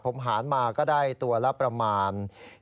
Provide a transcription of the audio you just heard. ผมหารมาก็ได้ตัวละประมาณ